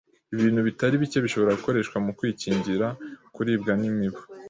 ibintu bitari bike bishobora gukoreshwa mu kwikingira kuribwa n'imibu